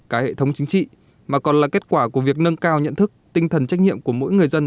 cả hệ thống chính trị mà còn là kết quả của việc nâng cao nhận thức tinh thần trách nhiệm của mỗi người dân